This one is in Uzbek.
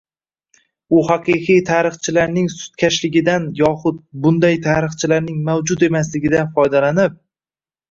U haqiqiy tarixchilarning sustkashligidan yoxud bunday tarixchilarning mavjud emasligidan foydalanib